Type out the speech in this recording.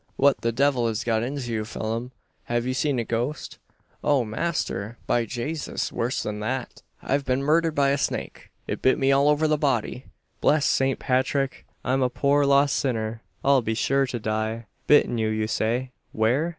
"What the devil has got into you, Phelim? Have you seen a ghost?" "Oh, masther! by Jaysus! worse than that: I've been murdhered by a snake. It's bit me all over the body. Blessed Saint Pathrick! I'm a poor lost sinner! I'll be shure to die!" "Bitten you, you say where?"